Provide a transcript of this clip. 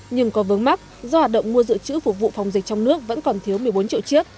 nhưng có vớng mắc do hoạt động mua dự trữ phục vụ phòng dịch trong nước vẫn còn thiếu một mươi bốn triệu chiếc